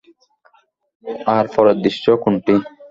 আর পরের দৃশ্য কোনটি?